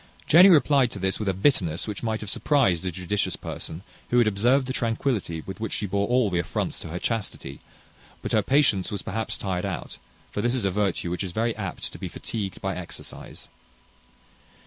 Jenny replied to this with a bitterness which might have surprized a judicious person, who had observed the tranquillity with which she bore all the affronts to her chastity; but her patience was perhaps tired out, for this is a virtue which is very apt to be fatigued by exercise.